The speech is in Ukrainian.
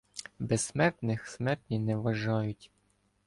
Безсмертних смертні не вважають